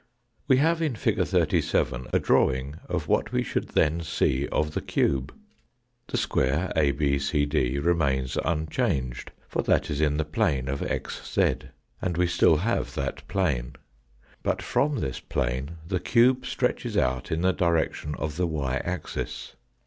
We have in fig. 37 a drawing of what we should then see of the cube. The square ABCD, remains unchanged, for that : is in the plane of xz, and we still have that plane. But from this plane the cube stretches out in the direction of the y axis.